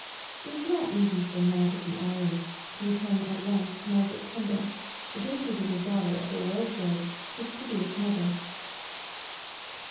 It was not easy for "Mag of the Alley" to become at once Margaret Kendall, the dainty little daughter of a well bred, fastidious mother.